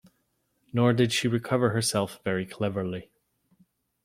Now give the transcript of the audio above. Nor did she recover herself very cleverly.